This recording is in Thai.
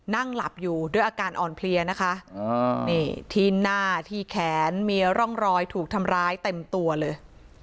นั่งหลับอยู่ด้วยอาการอ่อนเพลียนะคะนี่ที่หน้าที่แขนมีร่องรอยถูกทำร้ายเต็มตัวเลย